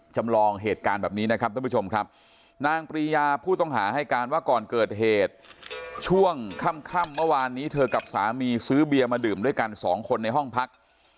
ช่วงค่ำเมื่อวานนี้เธอกับสามีซื้อเบียร์มาดื่มด้วยกัน๒คนในห้องพัก